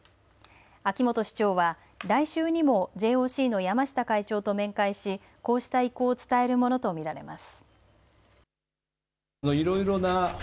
秋元市長は来週にもＪＯＣの山下会長と面会しこうした意向を伝えるものと見られます。